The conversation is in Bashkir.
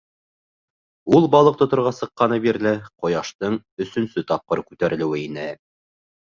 Ул балыҡ тоторға сыҡҡаны бирле, ҡояштың өсөнсө тапҡыр күтәрелеүе ине.